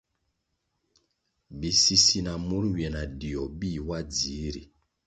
Bisisi na mur nywie na dio bih wa dzihri.